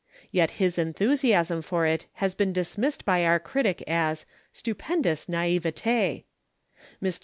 Yet his enthusiasm for it has been dismissed by our critic as "stupendous naïveté." Mr.